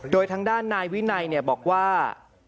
โดยทางด้านนายวินัยบอกว่า